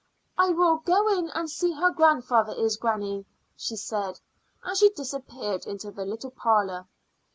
"I will go in and see how grandfather is, granny," she said, and she disappeared into the little parlor.